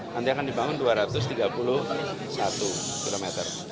nanti akan dibangun dua ratus tiga puluh satu km